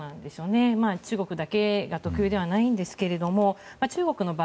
中国だけが特有ではないんですが中国の場合